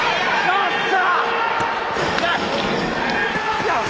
やった！